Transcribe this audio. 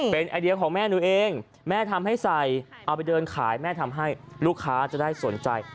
เป็นไอเดียของแม่หนูเองแม่ทำให้ใส่เอาไปเดินขายแม่ทำให้ลูกค้าจะได้สนใจ